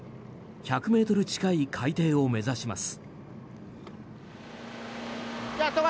１００ｍ近い海底を目指します。